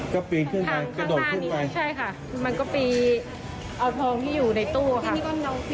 ก็ปีนขึ้นทางข้างหน้านี้ใช่ค่ะมันก็ปีเอาทองที่อยู่ในตู้ค่ะ